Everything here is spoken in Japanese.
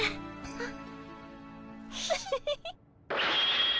あっ。